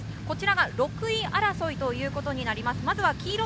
６位争いということになります。